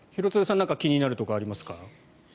廣津留さん気になるところありますか？